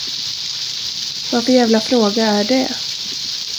Vad för jävla fråga är det?